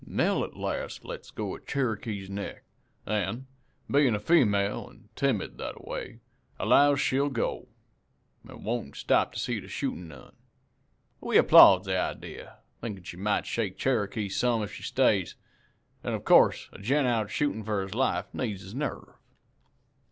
"Nell at last lets go of Cherokee's neck, an', bein' a female an' timid that a way, allows she'll go, an' won't stop to see the shootin' none. We applauds the idee, thinkin' she might shake Cherokee some if she stays; an' of course a gent out shootin' for his life needs his nerve.